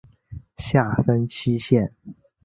下分七县。